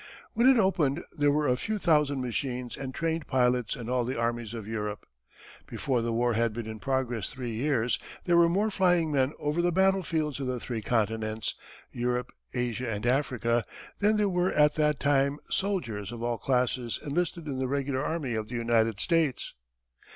When it opened there were a few thousand machines and trained pilots in all the armies of Europe. Before the war had been in progress three years there were more flying men over the battlefields of the three continents, Europe, Asia, and Africa, than there were at that time soldiers of all classes enlisted in the regular army of the United States.